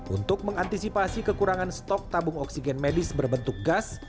untuk mengantisipasi kekurangan stok tabung oksigen medis berbentuk gas